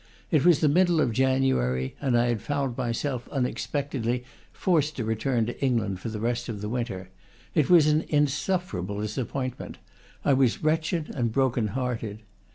It was the middle of January, and I had found myself, unexpected ly, forced to return to England for the rest of the winter. It was an insufferable disappointment; I was wretched and broken hearted.